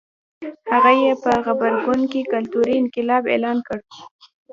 هغه یې په غبرګون کې کلتوري انقلاب اعلان کړ.